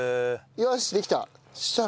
よしできた！